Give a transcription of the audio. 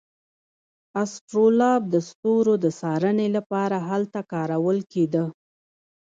اسټرولاب د ستورو د څارنې لپاره هلته کارول کیده.